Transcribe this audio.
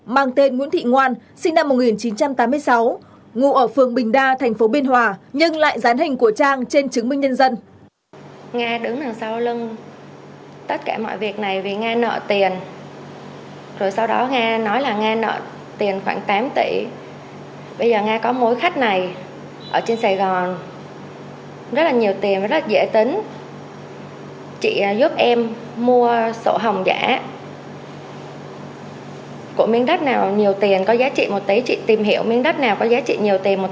hoàng tên nguyễn thị ngoan sinh năm một nghìn chín trăm tám mươi sáu ngụ ở phường bình đa thành phố biên hòa nhưng lại gián hình của trang trên chứng minh nhân dân